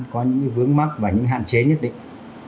có những vướng mắc và những hạn chế nhất định